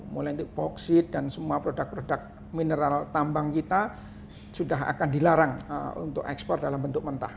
mulai untuk boksit dan semua produk produk mineral tambang kita sudah akan dilarang untuk ekspor dalam bentuk mentah